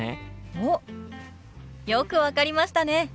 おっよく分かりましたね！